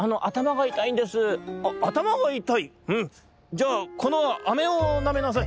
じゃあこのあめをなめなさい。